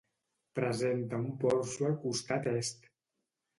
Presenta un porxo al costat est.